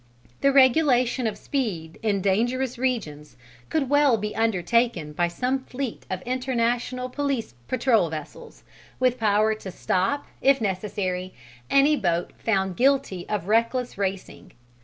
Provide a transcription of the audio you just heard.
The regulation of speed in dangerous regions could well be undertaken by some fleet of international police patrol vessels, with power to stop if necessary any boat found guilty of reckless racing.